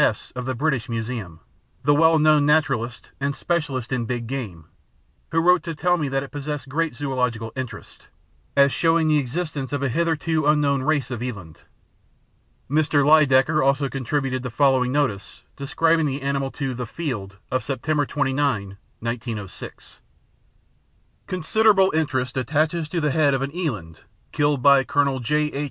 S., of the British Museum, the well known naturalist and specialist in big game, who wrote to tell me that it possessed great zoological interest, as showing the existence of a hitherto unknown race of eland. Mr. Lydekker also contributed the following notice describing the animal to The Field of September 29, 1906: "Considerable interest attaches to the head of an eland, killed by Colonel J.H.